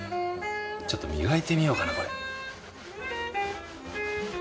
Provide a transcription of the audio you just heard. ちょっと磨いてみようかなこれ。